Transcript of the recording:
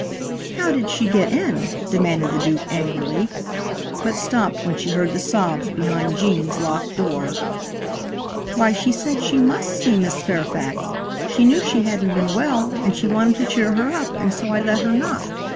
"How did she get in?" demanded the Duke angrily, but stopped when she heard the sobs behind Gene's locked door. "Why, she said she must see Miss Fairfax; she knew she hadn't been well, and she wanted to cheer her up, and so I let her knock.